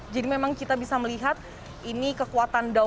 jadi memang kita bisa melihat ini kekuatan downloadnya